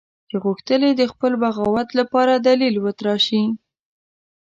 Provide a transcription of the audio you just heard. چې غوښتل یې د خپل بغاوت لپاره دلیل وتراشي.